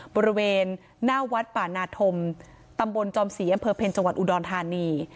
บริเวณหน้าวัดป่านาธมตำบลจอมศรีอำเภอเพ็ญจังหวัดอุดรธานี